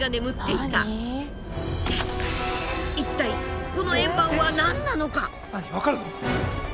一体この円盤は何なのか？